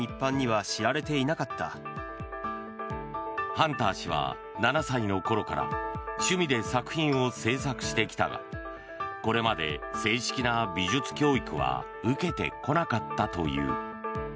ハンター氏は７歳の頃から趣味で作品を制作してきたがこれまで正式な美術教育は受けてこなかったという。